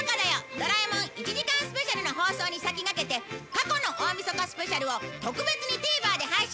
ドラえもん１時間スペシャル！！』の放送に先駆けて過去の大みそかスペシャルを特別にＴＶｅｒで配信します！